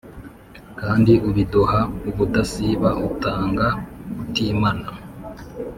Kandi ubiduha ubudasiba utanga utimana